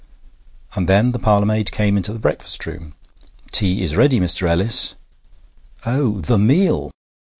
And then the parlourmaid came into the breakfast room: 'Tea is ready, Mr. Ellis!' Oh, the meal!